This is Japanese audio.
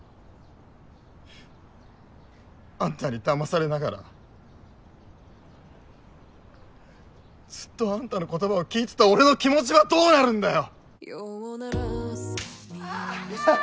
あんたにだまされながらずっとあんたの言葉を聞いてた俺の気持ちはどうなるんだよ！